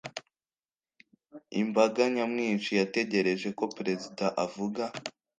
Imbaga nyamwinshi yategereje ko perezida avuga.